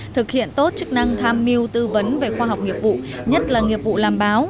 thực hiện tốt chức năng tham mưu tư vấn về khoa học nghiệp vụ nhất là nghiệp vụ làm báo